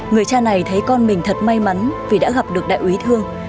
người cha này thấy con mình thật may mắn vì đã gặp được đại úy thương